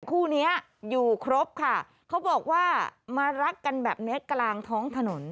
คู่เนี้ยอยู่ครบค่ะเขาบอกว่ามารักกันแบบเนี้ยกลางท้องถนน